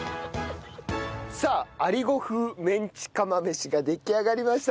さあアリゴ風メンチ釜飯が出来上がりました。